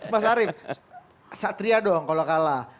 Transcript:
mas arief satria dong kalau kalah